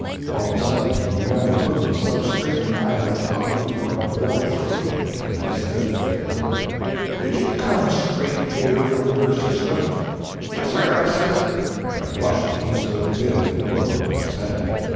All of a sudden he begun to look me so straight in the eye that I thought he was going to bore through me. Then he says, very deliberate, "Did you come straight here from your system?" "Yes, sir," I says—but I blushed the least little bit in the world when I said it.